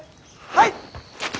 はい！